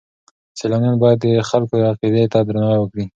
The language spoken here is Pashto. سیلانیان باید د خلکو عقیدې ته درناوی وکړي.